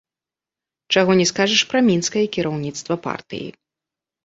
Чаго не скажаш пра мінскае кіраўніцтва партыі.